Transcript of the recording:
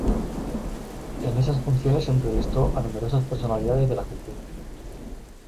En esas funciones entrevistó a numerosas personalidades de la cultura.